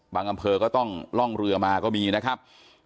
อำเภอก็ต้องล่องเรือมาก็มีนะครับ